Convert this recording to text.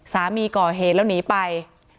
สามีก่อเหตุแล้วหนีไป